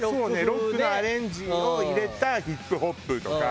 ロックのアレンジを入れたヒップホップとか。